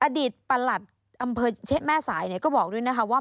อดีตประหลัดอำเภอเชะแม่สายก็บอกด้วยนะคะว่า